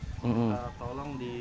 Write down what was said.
kalau tidak tolong di